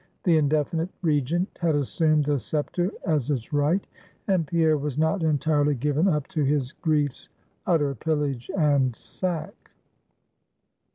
The indefinite regent had assumed the scepter as its right; and Pierre was not entirely given up to his grief's utter pillage and sack.